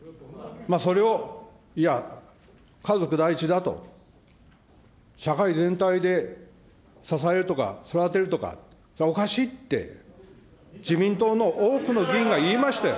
それを、いや、家族第一だと、社会全体で支えるとか、育てるとか、それはおかしいって、自民党の多くの議員が言いましたよ。